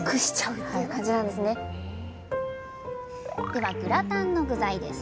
ではグラタンの具材です。